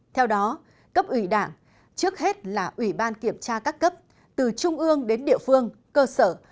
theo đó cấp ủy đảng trước hết là ủy ban kiểm tra các cấp từ trung ương đến địa phương cơ sở